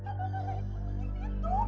kenapa sekarang lain lain itu